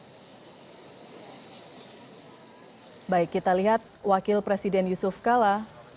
hai baik kita lihat wakil presiden yusuf kala